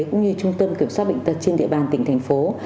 cũng như trung tâm kiểm soát bệnh tật trên địa bàn tỉnh thành phố